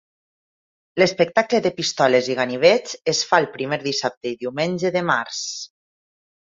L'espectacle de pistoles i ganivets es fa el primer dissabte i diumenge de març.